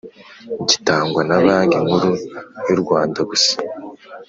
gitangwa na Banki Nkuru yurwanda gusa